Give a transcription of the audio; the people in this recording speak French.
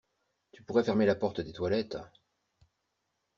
Tu pourrais fermer la porte des toilettes...